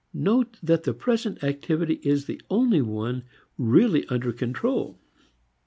Note that the present activity is the only one really under control.